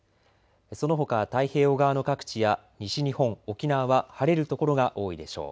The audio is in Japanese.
そのほか、太平洋側の各地や西日本、沖縄は晴れる所が多いでしょう。